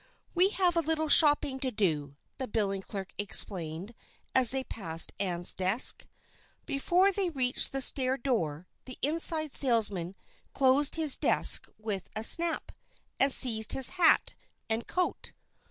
"We have a little shopping to do," the billing clerk explained as they passed Ann's desk. Before they reached the stair door, the inside salesman closed his desk with a snap, and seized his hat and coat.